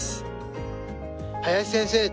林先生